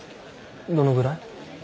どのぐらい？